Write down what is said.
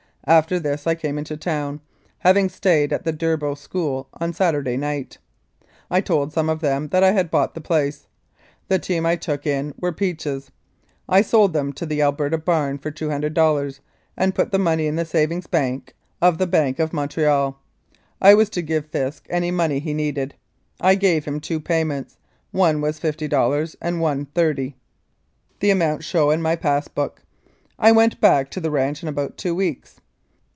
After this I came into town, having stayed at the Durbow School on Saturday night. I told some of them there that I had bought the place. The team I took in were Peach's. I sold them to the Alberta barn for $200, and put the money in the savings bank of the Bank of Montreal. I was to give Fisk any money he needed. I gave him two payments one was $50 and one $30. The amounts show in my pass book. I went back to the ranch in about two weeks.